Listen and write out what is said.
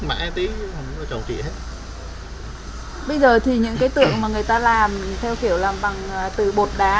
mãi tí không có trồng chị hết bây giờ thì những cái tượng mà người ta làm theo kiểu làm bằng từ bột đá